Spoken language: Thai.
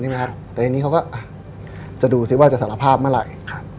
แต่ทีนี้เขาก็จะดูซิว่าจะสารภาพเมื่อไหร่